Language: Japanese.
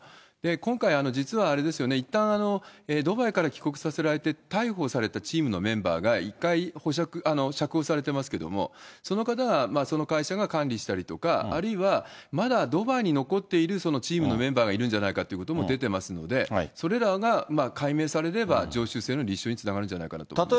今回、実はあれですよね、いったんドバイから帰国させられて、逮捕されたチームのメンバーが一回、釈放されてますけれども、その方はその会社が管理してるとか、あるいはまだドバイに残っているそのチームのメンバーがいるんじゃないかということも出てますので、それらが解明されれば、常習性の立証につながるんじゃないかと思いますね。